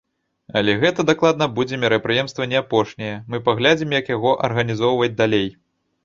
Але гэта дакладна будзе мерапрыемства не апошняе, мы паглядзім як яго арганізоўваць далей.